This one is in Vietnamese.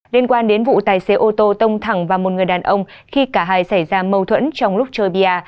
liên quan đến vụ tài xế ô tô tông thẳng vào một người đàn ông khi cả hai xảy ra mâu thuẫn trong lúc chơi bia